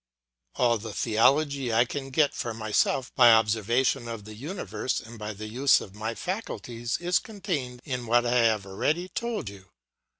"All the theology I can get for myself by observation of the universe and by the use of my faculties is contained in what I have already told you.